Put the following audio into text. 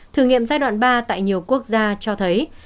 thử nghiệm giai đoạn ba tại nhiều quốc gia cho thấy